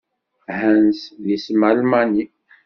Hans, d isem Almani.